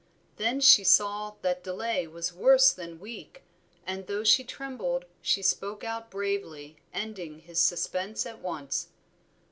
Then she saw that delay was worse than weak, and though she trembled she spoke out bravely ending his suspense at once.